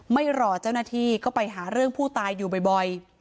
ไม่รอเจ้าหน้าที่ก็ไปหาเรื่องผู้ตายอยู่บ่อย